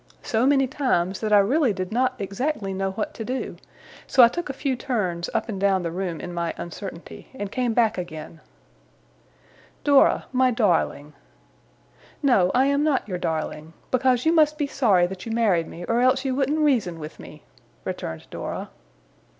so many times, that I really did not exactly know what to do: so I took a few turns up and down the room in my uncertainty, and came back again. 'Dora, my darling!' 'No, I am not your darling. Because you must be sorry that you married me, or else you wouldn't reason with me!' returned Dora.